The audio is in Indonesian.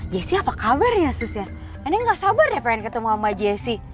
jesse apa kabar ya sus nenek gak sabar deh pengen ketemu sama jesse